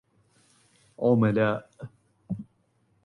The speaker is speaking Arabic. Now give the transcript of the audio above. عملاء